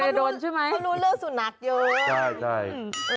เขาจะโดนใช่ไหมเขารู้เรื่องสุนัขอยู่ใช่